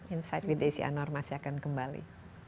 insight with desi anwar masih akan kembali